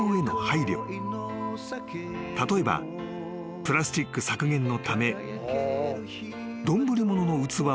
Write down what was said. ［例えばプラスチック削減のため］